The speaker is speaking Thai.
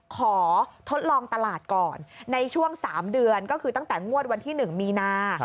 ทดลองตลาดก่อนในช่วง๓เดือนก็คือตั้งแต่งวดวันที่๑มีนา